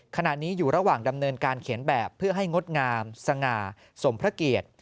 ขณะนี้อยู่ระหว่างดำเนินการเขียนแบบเพื่อให้งดงามสง่าสมพระเกียรติ